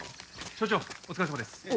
署長お疲れさまです。